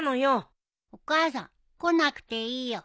お母さん来なくていいよ。